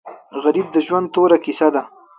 غریب د ژوند توره کیسه ده